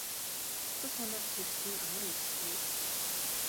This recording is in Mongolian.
Хувцас хунар чирсэн нь амар байж дээ.